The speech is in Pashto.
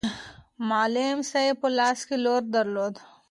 معلم صاحب په لاس کې لور درلود.